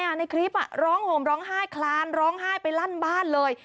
ในคลิปร้องห่มร้องไห้คลานร้องไห้ไปลั่นบ้านเลย